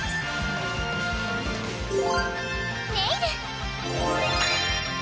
ネイル！